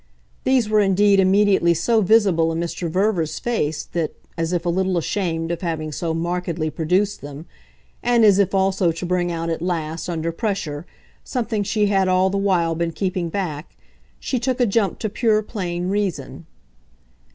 These were indeed immediately so visible in Mr. Verver's face that, as if a little ashamed of having so markedly produced them and as if also to bring out at last, under pressure, something she had all the while been keeping back she took a jump to pure plain reason.